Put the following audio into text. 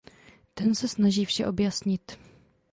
Ten se snaží vše objasnit.